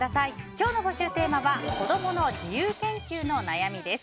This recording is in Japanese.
今日の募集テーマは子供の自由研究の悩みです。